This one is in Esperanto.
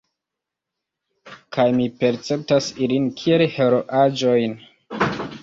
Kaj mi perceptas ilin kiel heroaĵojn.